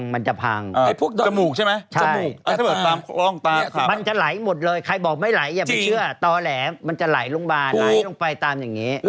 มันจะไหลหมดเลยใครบอกไม่ไหลอย่าไปเชื่อต่อแหลมมันจะไหลลงมาไหลลงไปตามอย่างนี้